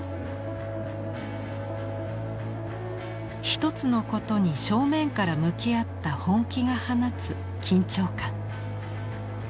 一つのことに正面から向き合った本気が放つ緊張感。